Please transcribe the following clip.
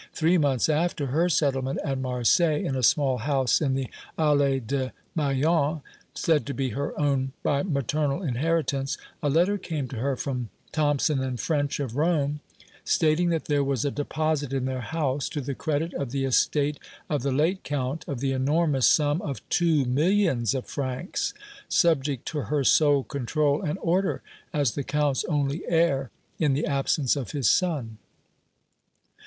"Three months after her settlement at Marseilles, in a small house in the Allées de Meillan, said to be her own by maternal inheritance, a letter came to her from Thomson and French, of Rome, stating that there was a deposit in their house, to the credit of the estate of the late Count, of the enormous sum of two millions of francs, subject to her sole control and order, as the Count's only heir, in the absence of his son."